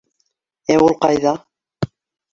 Ә ул ҡайҙа?